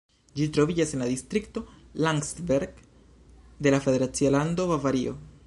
Ĝi troviĝas en la distrikto Landsberg de la federacia lando Bavario.